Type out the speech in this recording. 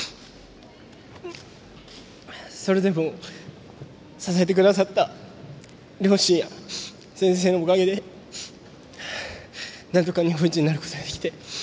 それでも支えてくださった両親や先生のおかげでなんとか日本一になることができて。